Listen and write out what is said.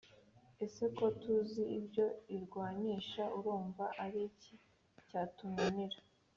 ese ko tuzi ibyo irwanisha ,urumva ariki cyatunanira